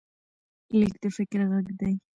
لیک د فکر غږ دی.